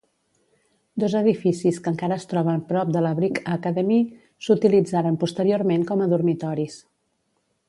Dos edificis que encara es troben prop de la Brick Academy s'utilitzaren posteriorment com a dormitoris.